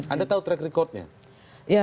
anda tahu track record nya